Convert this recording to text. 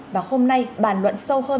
và hôm nay bàn luận sâu hơn